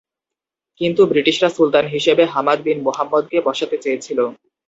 কিন্তু ব্রিটিশরা সুলতান হিসেবে হামাদ বিন-মুহাম্মদকে বসাতে চেয়েছিল।